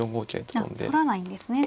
取らないんですね